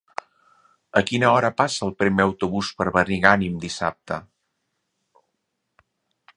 A quina hora passa el primer autobús per Benigànim dissabte?